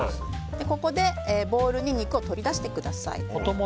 ここでボウルに肉を取り出してください。